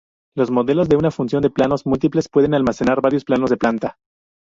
Los modelos con una función de planos múltiples pueden almacenar varios planos de planta.